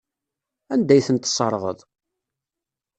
Anda ay ten-tesserɣeḍ?